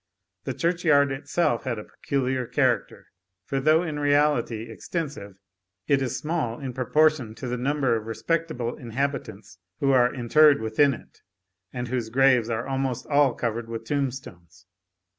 The churchyard itself had a peculiar character; for though in reality extensive, it is small in proportion to the number of respectable inhabitants who are interred within it, and whose graves are almost all covered with tombstones.